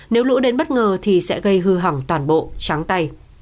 nếu lũ đến bất ngờ thì sẽ gây hư hỏng toàn bộ trắng tay